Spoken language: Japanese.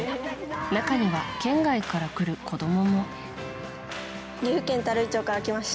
中には、県外から来る子供も。